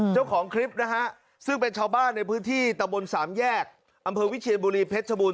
เจ้าของคลิปนะฮะซึ่งเป็นชาวบ้านในพื้นที่ตะบนสามแยกอำเภอวิเชียนบุรีเพชรชบูร